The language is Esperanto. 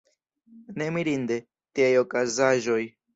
Ne mirinde, tiaj okazaĵoj!